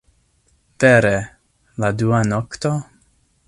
Vere... la dua nokto?